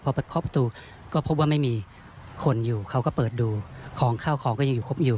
พอไปเคาะประตูก็พบว่าไม่มีคนอยู่เขาก็เปิดดูของข้าวของก็ยังอยู่ครบอยู่